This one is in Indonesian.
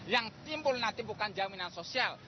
yang timbul nanti bukan jaminan sosial